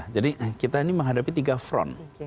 jadi kita ini menghadapi tiga front